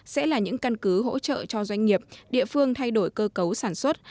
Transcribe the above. sẽ là những căn cứ hỗ trợ cho doanh nghiệp địa phương thay đổi cơ cấu sản xuất